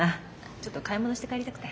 ちょっと買い物して帰りたくて。